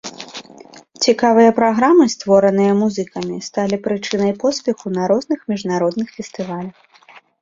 Цікавыя праграмы, створаныя музыкамі, сталі прычынай поспеху на розных міжнародных фестывалях.